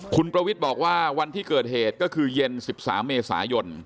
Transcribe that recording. คุณประวิทย์บอกว่าวันที่เกิดเหตุก็คือเย็น๑๓เมษายน